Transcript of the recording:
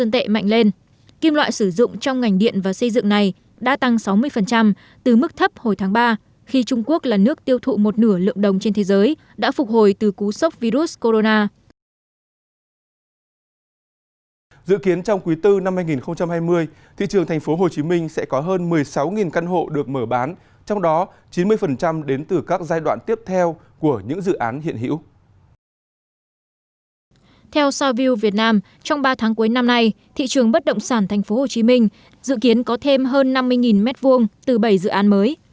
theo southview việt nam trong ba tháng cuối năm nay thị trường bất động sản thành phố hồ chí minh dự kiến có thêm hơn năm mươi m hai từ bảy dự án mới